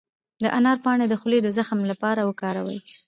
د انار پاڼې د خولې د زخم لپاره وکاروئ